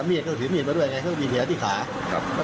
เมียดเขาถิดเมียดมาด้วยไงเขาก็มีแผลที่ขาครับ